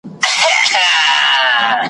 هم ښکنځل هم بد او رد یې اورېدله ,